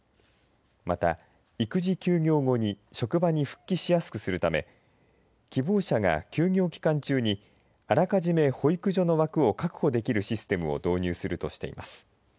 また、育児休業後に職場に復帰しやすくするため希望者が、休業期間中にあらかじめ保育所の枠を確保できるシステムを導入するとしています。